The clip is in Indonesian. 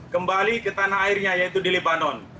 kembali ke tanah airnya yaitu di lebanon